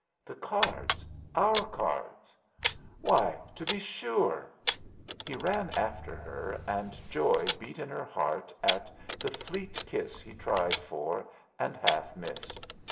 "The cards! our cards!" "Why, to be sure!" He ran after her, and joy beat in her heart at the fleet kiss he tried for and half missed.